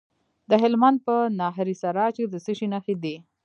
د هلمند په ناهري سراج کې د څه شي نښې دي؟